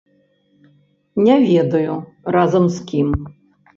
Не ведаю, разам з кім.